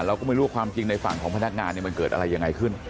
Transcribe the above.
เราก็ไม่รู้ว่าความจริงในฝั่งของพนักงานมันเกิดอะไรยังไงขึ้น